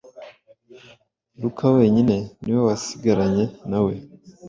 Luka wenyine ni we wasigaranye na we